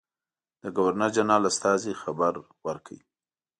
د ګورنرجنرال استازي خبر ورکړ.